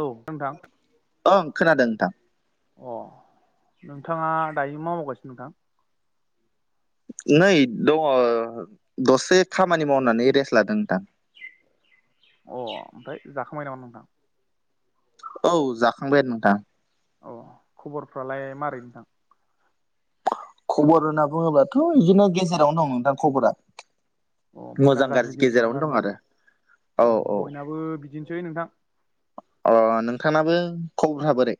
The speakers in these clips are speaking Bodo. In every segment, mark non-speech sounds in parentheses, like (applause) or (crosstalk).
औ नोंथां। ओं खोनादों नोंथां। अ नोंथाङा दायो मा मावगासिनो नोंथां? नै दङ दसे खामानि मावनानै रेस्ट लादों नोंथां। अ ओमफ्राय जाखांबाय नामा नोंथां? औ जाखांबाय आनो नोंथां। अ खबरफ्रालाय मारै नोंथां? खबर होनना बुङोब्लाथ' बिदिनो गेजेरावनो दं नोंथां खबरा। अ मोजां गाज्रि गेजेरावनो आरोना औ बयनाबो बिदिनोसै नोंथां अ नोंथांनाबो खबरा बोरै?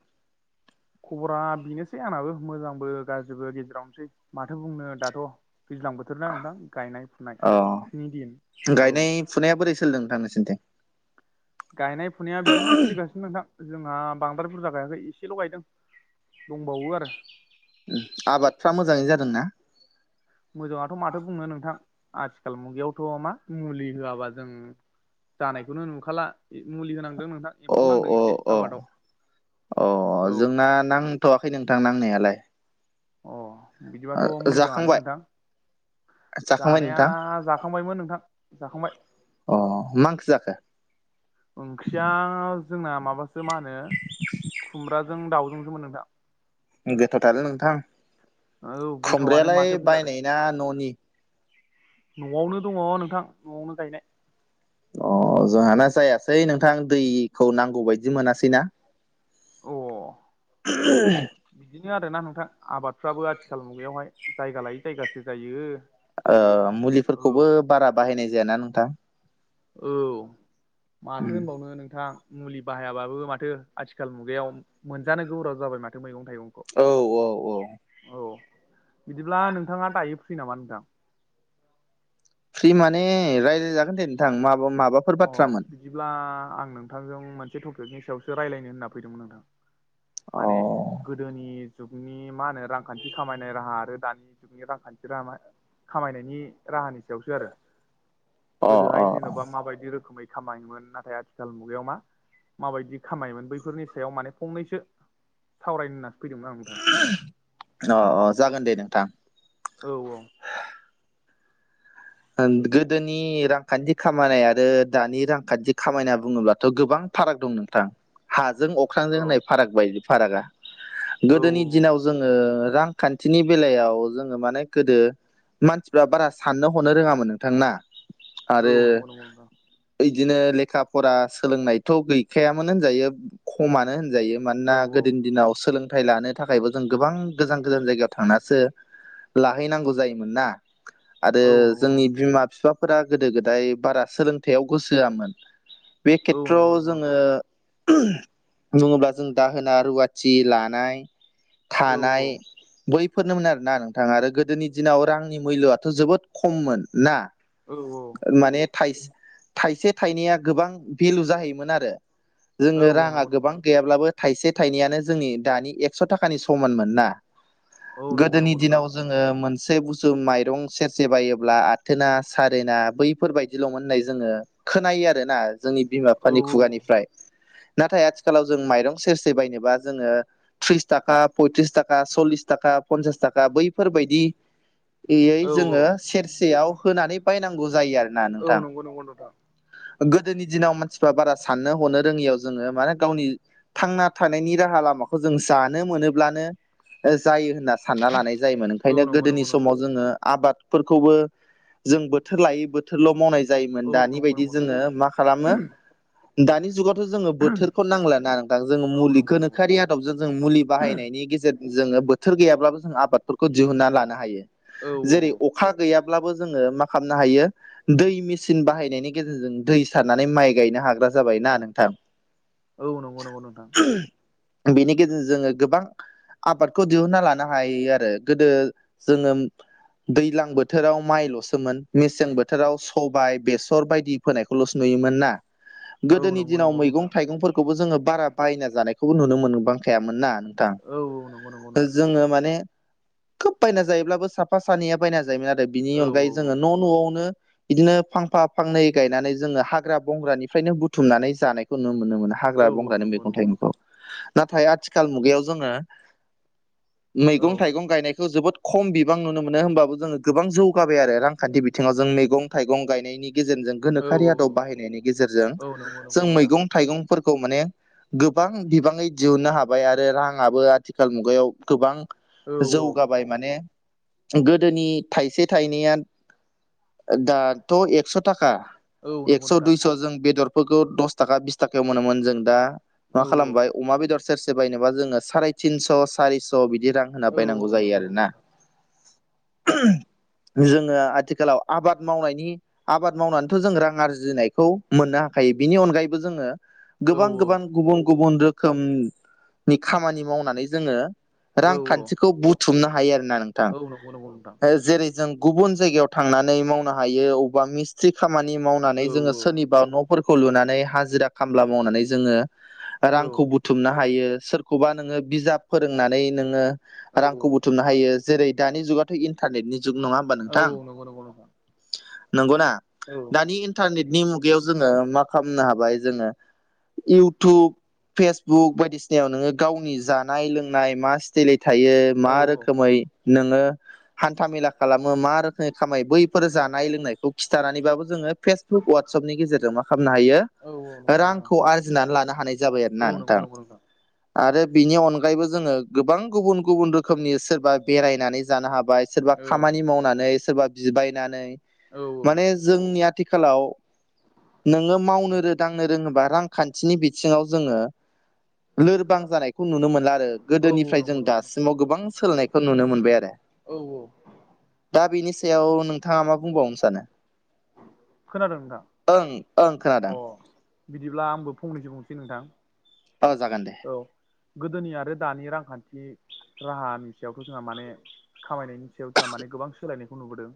खबरा बेनोसै आंनाबो मोजांबो गाज्रिबो गेजेरावनोसै माथो बुंनो दाथ' दैज्लां बोथोर ना नोंथां गायनाय फुनाय अ नि दिन औ गायनाय फुनाया बोरै सोलिदों नोंथां नोंसिनिथिं? गायनाय फुनाया बिदिनो सोलिगासिनो नोंथां जोंहा बांद्राय बुरजा गायाखै एसेल' गायदों। दंबावो आरो आबादफ्रा मोजाङै जादों ना? मोजाङाथ' माथो बुंनो नोंथां आथिखाल मुगायावथ' मा मुलि होआबा जों जानायखौनो नुखाला मुलि होनांदों नोंथां। अ एम्फौ नांदों अ एसे अ आबादाव औ ओ नां थ'वाखै नोंथां नांनायालाय अ बिदिबाथ' मोजाङानो जाखांबाय नोंथां जाखांबाय जानाया नोंथां जा खांबायमोन नोंथां जाखांबाय अ मा ओंख्रि जाखो? ओंख्रिया जोंना माबासो मा होनो खुमब्राजों दाउजोंसो मोन नोंथां। गोथावथारलै नोंथां। औ गोथावआनो खुमब्रायालाय माथो बुंनो आरो बायनाय ना न'नि? न'आवनो दङ नोंथां न'आवनो गायनाय। अ जोहाना जायासै नोंथां दैखौ नांगौ बायदि मोनासैना अ (unintelligible) बिदिनो आरोना नोंथां आबादफ्राबो आथिखाल मुगायावहाय जायगा लायै जायगासो जायो। ओ मुलिफोरखौबो औ बारा बाहायनाय जायाना नोंथां औ उम माथो होनबावनो नोंथां मुलि बाहायाबाबो माथो आथिखाल मुगायाव मोनजानो गोब्राब जाबाय माथो मैगं थाइगंखौ। औ औ औ औ बिदिब्ला नोंथाङा दायो फ्रि नामा नोंथां? फ्रि माने रायलाय जागोन दे नोंथां माबा माबाफोर अ बाथ्रामोन बिदिब्ला आं नोंथांजों मोनसे टपिकनि सायावसो रायलायनो होनना फैदोंमोन नोंथां। अ माने गोदोनि जुगनि मा होनो रांखान्थि खामायनाय राहा आरो दानि जुगनि रांखान्थि राहा खामायनायनि राहानि सायावसो आरो अ अ गोदोहाय जेन'बा माबाय दि रोखोमै खामायोमोन नाथाय आथिखाल मुगायाव मा माबायदि खामायोमोन बैफोरनि सायाव माने फंनैसो सावरायनो होननासो फैदोंमोन आं नोंथां। अ अ जागोन दे नोंथां। औ औ ओं गोदोनि रांखान्थि खामायनाय आरो दानि रांखान्थि खामायना बुङोब्लाथ' गोबां फाराग दं नोंथां हाजों अख्रांजों औ होननाय फाराग बायदि फारागा औ गोदोनि दिनाव जोङो रांखान्थिनि बेलायाव जोङो माने गोदो मानसिफ्रा बारा साननो हनो रोङामोन नोंथां ना। औ आरो नंगौ नंगौ नोंथां इदिनो लेखा फरा सोलोंनायथ' गैखायामोन होनजायो खमानो होनजायो। औ मानोना गोदो दिनाव सोलोंथाइ लानो था थाखायबो जों गोबां गोजान गोजान जायगायाव थांनासो लाहैनांगौ जायोमोन ना ओ औ नंगौ नंगौ जोंनि नोंथां बिमा बिफाफोरा गोदो गोदाय बारा सोलोंथायाइआव गोसो होआमोन। बे औ नंगौ खेथ्रआव नंगौ जोङो नोंथां बुङोब्ला जों दाहोना रुवा जि लानाय औ औ थानाय बैफोरनोमोन आरोना नोंथाङा आरो गोदोनि दिनाव रांनि मुयल' आथ' जोबोद खममोन ना? औ माने थायस थाइसे थाइनैया गोबां भेलु जाहैयोमोन आरो। औ जोङो राङा नंगौ नंगौ गोबां नोंथां गैयाब्लाबो थाइसे थाइनैयानो जोंनि दानि एकस' थाखानि समान मोन ना। औ नंगौ गोदोनि नंगौ नोंथां दिनाव जो ङो मोनसे बुस्थु माइरं सेर जेबायोब्ला आथोना सारेना बैफोरबायायदिल'मोन होननाय जोङो। खोनायो आरो ना। जोंनि बिमा औ बिफानि औ खुगानिफ्राय नाथाय आथिखालाव जों माइरं सेरसे बायनोबा जोङो थ्रिस थाखा पयथ्रिस थाख खा सल्लिस थाखा पन्सास थाखा बैफोर बायदियै औ औ जोङो सेरसेयाव होनानै बायनांगौ जायो आरो ना औ नोंथां। नंगौ नंगौ नोंथां गोदोनि दिनाव मानसिफ्रा बारा साननो हनो रोङियाव जोङो माने गावनि थांना थानायनि राहा लामाखौ जों जानो मोनोब्लानो जायो होनना सानना लानाय जायोमोन। औ ओंखायनो नंगौ नंगौ गोदोनि नोंथां समाव जोङो आबादफोरखौबो जों बोथोर लायै बोथोरल' मावनाय जायोमोन। औ दानि नंगौ बायदि नंगौ नोंथां जोङो मा खालामो दानि जुगावथ' जोङो बोथोरखौ नांलाना नोंथां जोङो औ नंगौ मुलिखोनो नंगौ खारिया दब जों मुलि बाहायनायनि गेजेरजों जोङो बोथोर गैयाब्लाबो जों आबादफोरखौ दिहुनना लानो हायो। औ जेरै औ अखा गैयाब्लाबो जोङो मा खालामनो हायो। दै मेचिन बाहायनायनि गेजेरजों दै सारनानै माइ गायनो हाग्रा जाबायना नोंथां। औ नंगौ नंगौ नोंथां। बेनि गेजेरजों जोङो गोबां आबादखौ दिहुनना लानो हायो आरो। गोदो जोङो दैज्लां बोथोराव मायल'सोमोन मेसें बोथोराव सबाय बेसर बायदि फोनायखौल'सो नुयोमोन ना। औ गोदोनि नंगौ दिनाव नंगौ मैगं नोंथां थाइगंफोरखौबो जोङो बारा बायना जानायखौबो नुनो मोनबां खायामोन ना थां औ औ नंगौ नंगौ नोंथां जोङो माने खोब बायना जायोब्लाबो साब सानैया बायना जायोमोन आरो। बिनि औ औ अनगायै जोङो न' न'आवनो बिदिनो फांफा फांनै गायनानै जोङो हाग्रा बंग्रानिफ्रायनो बुथुमनानै जानायखौ नुनो मोननो मोना? औ हाग्रा बंग्रानि मैगं थाइगंगखौ नाथाय आथिखाल मुगायाव जोङो मैगं थाइगं गायनाय खौ जोबोद खम बिबां नुनो मोनो। होमबाबो जोङो गोबां जौगाबाय आरो। रां खान्थि बिथिङाव जों मैगं थाइगं गायनायनि गेजेरजों गोनोखोरि आदब बाहायनायनि गेजेरजों नंगौ नंगौ नोंथां औ नंगौ नंगौ जों नोंथां मैगं थाइगंफोरखौ माने गोबां बिबाङै दिहुननो हाबाय आरो। राङाबो आथिखाल मुगायाव गोबां औ जौगाबाय माने गोदोनि थाइसे थाइनैया दाथ' एकस' थाखा औ नंगौ एक्स' नोंथां दुयस' जों बेदर फोरखौ दस थाखा बिस थाखायाव मोनोमोन। जों दा मा औ औ खालामबाय अमा बेदर सेरसे बायनोबा जोङो साराय तिनस' सारिस' बिदि रां होना औ बायनांगौ औ जायो नंगौ आरो नंगौ ना। जोङो आथिखालाव आबाद मावनायनि आबाद मावनानैथ' जों रां आरजि जिनायखौ मोननो हाखायो। बिनि अनगायैबो जोङो औ गोबां गोबां गुबुन गुबुन रोखोम नि खामानि मावनानै जोङो औ औ रांखान्थिखौ बुथुमनो हायो आरो ना नों औ नोंगौ नोंगौ नोंथां। ओ जेरै जों गुबुन जायगायाव थांनानै मावनो हायो। अबबा मिस थ खामानि औ मावनानै जोङो सोरनिबा न' फोरखौ लुनानै हाजिरा खामला मावनानै जोङो औ रांखौ बुथ बुथुमनो हायो सोरखौबा नोङो बिजाब फोरोंनानै नोङो औ रांखौ बुथुमनो हायो जेरै दानि जुगाथ' इन्टारनेटनि जुग नङा होमबा औ नोंथां। नंगौ नंगौ नोंथां नंगौ ना? औ दानि इन्टारनेटनि मुगायाव जोङो मा खालामनो हाबाय जोङो। इउटुब फेसबुक बायदिसिनायाव नोङो गावनि जानाय लोंनाय मा स्टाइलै थायो औ मा रोखोमै नङो हान्था मेला खालामो मा रोखोमै खामायो बैफोर जानाय लोंनायखौ खिथानानैबाबो जोङो फेस वाट्सपनि गेजेरजों मा खालामनो हायो औ औ नंगौ नोंथां रांखौ आरजिनानै लानो हानाय जाबाय औ आरोना नंगौ नोंथां नंगौ आरो बिनि अनगायैबो जोङो गोबां गुबुन गुबुन रोखोमनि सोरबा बेरायनानै जानो हाबाय सोरबा औ खामानि मावनानै सोरबा बिबायनानै औ माने जोंनि आथिखालाव नोङो मावनो रोदांनो रोङोबा रांखान्थिनि बिथिङाव जोङो लोरबां जानायखौ नुनो मोनला आरो औ गोदोनिफ्राय जों नंगौ नंगौ नोंथां दासिमाव गोबां सोलोंनायखौ नुनो मोनबाय आरो औ औ दा बेनि सायाव नोंथाङा मा बुंबावनो सानो खोनादों ओं नोंथां ओं अ खोनादों बिदिब्ला आंबो फंनैसो बुंनोसै नोंथां औ जागोन दे औ गोदोनि आरो दानि रांखान्थि राहानि सायावथ' जोंहा माने खामायनायनि सायाव जोंहा माने गोबां सोलायनायखौ नुबोदों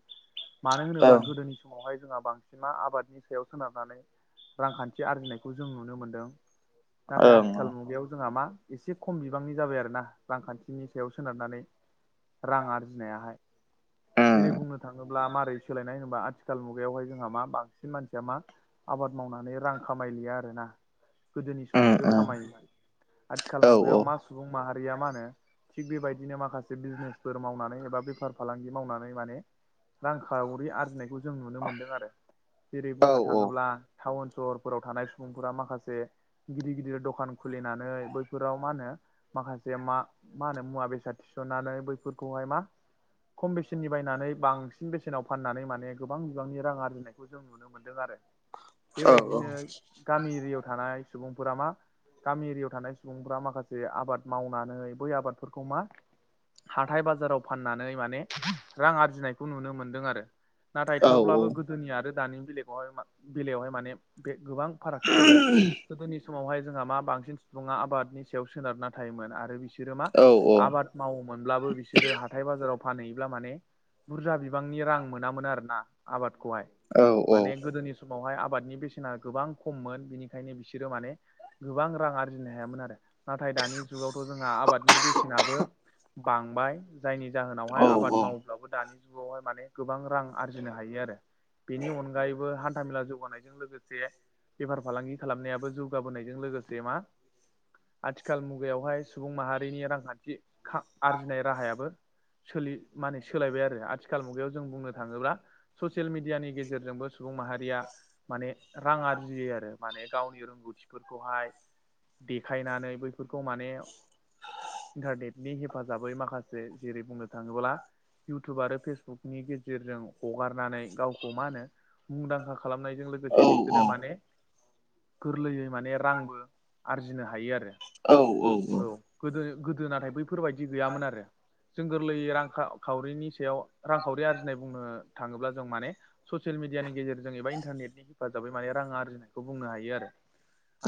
मानो होनोब्ला ओं गोदोनियाव समावहाय जोंहा बांसिन आबादनि सायाव सोनारनानै रांखान्थि आरजिनायखौ जों नुनो मोनदों नाथाय ओं आथिखाल आाल मुगायाव जोंहा मा एसे खम बिबांनि जाबाय आरोना रांखान्थिनि सायाव सोनारनानै रां आरजिनायाहाय ओम जेरै बुंनो थाङोब्ला मारै सोलायनाय होनोबा आथिखाल सथिथाल मुगायावहाय जोंहा मा बांसिन मानसिया मा आबाद मावनानै रां खामायलिया आरोना गोदोनि ओम समावसो ओम खामायोमोन आथिखाल औ मुगायाव मा औ सुबुं माहारिया मा होनो थिग बेबायदिनो माखासे बिजनेसफोर मावनानै एबा बेफार फालांगि मावनानै माने रांखावरि आरजिनायखौ जों नुनो मोन्दों आरो जेरै औ बुंनो थाङोब्ला टाउन सहरफोराव थानाय सुबुंफोरा माखासे गिदिर गिदिर दखान खुलिनानै बैफोराव मा होनो माखासे मा मा होनो मुवा बेसाद थिसननानै बैफोरखौहाय मा खम बेसेननि बायनानै बांसिन बेसेनाव फाननानै माने गोबां बिबांनि रां आरजिनायखौ जों नुनो मोनदों आरो औ बेबायदिनो गामि एरियायाव थानाय सुबुंफोरा मा गामि एरियाव थानाय सुबुंफ माखासे आबाद मावनानै बै आबादफोरखौ मा हाथाय बाजाराव फाननानै माने रां आरजिनायखौ नुनो मोनदों आरो नाथाय थेवब्लाबो गोदोनि आरो दानि बेलेगखौहाय बेलायावहाय माने बे गोबां फारागथि जाबाय गोदोनि समावहाय जोंहा मा बांसिन सुबुङा आबादनि सायाव सोनारना थायोमोन आरो बिसोर बिसोरो मा आबाद मावोमोनब्लाबो बिसोरो हाथाय बाजाराव फानहैयोब्ला माने बुरजा बिबांनि रां मोनामोन आरोना आबादखौहाय औ माने गोदोनि सम समावहाय आबादनि बेसेना गोबां खममोन बेनिखायनो बिसोरो माने गोबां रां आरजिनो हायामोन आरो नाथाय दानि जुगावथ' जोंहा आबादनि बेसेनाबो बांबाय जायनि जाहोनावहाय आबाद मावोब्लाबो दानि जुगावहाय माने गोबां रां आरजिनो हायो आरो बेनि अनगायैबो हान्था मेला जौगानाय लोगोसे बेफार फालांगि खालामनायाबो जौगाबोनायजों लोगोसे मा आथिखाल मुगायावहाय सुबुं माहारिनि रांखान्थि आरजिनाय राहायाबो सोलि माने सोलायबाय आरो आथिखाल मुगायाव जों बुंनो थाङोब्ला ससियेल मिडियानि गेजेरजोंबो सुबुं माहारिया माने रां आरजियो आरो माने गावनि रोंगौथिफोरखौहाय देखायनानै बै फोर माने इन्टारनेेटनि हेफ हेफाजाबै माखासे जेरै बुंनो थाङोब्ला इउटुब आरो फेसबुकनि गेजेरजों हगारनानै गावखौ मा होनो मुंदांखा खालामनायजों लोगोसे बिसोरो माने गोरलैयै माने रांबो आरजिनो हायो आरो औ गोदो गोदो नाथाय बैफोरबायदि गैयामोन आरो जों गोरलैयै रांखा खावरिनि सायाव रांखावरि आरजिनाय बुंनो थाङोब्ला जों माने ससियेल मिडियानि गेजेरजों एबा इन्टारनेटनि हेफाजाबै माने रां आरजिनायखौ बुंनो हायो आरो।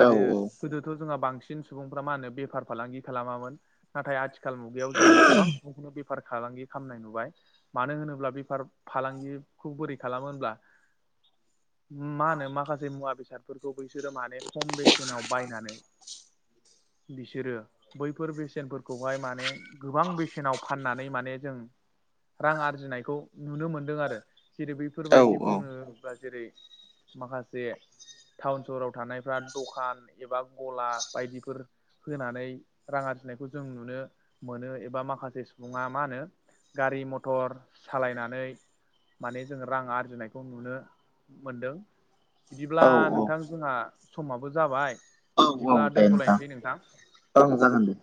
आरो गोदोथ' जोंहा बांसिन सुबुंफ्रा मा होनो बेफार फालांगि खालामामोन नाथाय आथिखाल मुगायाव जों गोबां सुबुंखौनो बेफार फालांगि खालामनाय नुबाय मानो होनोब्ला बे बेफार फालांगिखौ बोरै खालामो होनब्ला मा होनो माखासे मुवा बेसाद फोरखौ बैसोरो माने खम बेसेनाव बायनानै बिसोरो बैफोर बेसेनफोरखौहाय माने गोबां बेसेनाव फाननानै माने जों रां आरजिनायखौ नुनो मोनदों आरो जेरै बैफोरबायदि बुनोब्ला जेरै माखासे टाउन सहराव थानायफ्रा दखान एबा गला बायदिफोर होनानै रां आरजिनायखौ जों नुनो मोनो एबा माखासे सुबुङा मा होनो गारि मथर सालायनानै माने जों रां आरजिनायखौ नुनो मोनदों। बिदिब्ला नोंथां जोंहा समाबो जाबाय औ औ बिदिब्ला दे नोंथां दोनथ'लायनोसै ओं जागोन दे।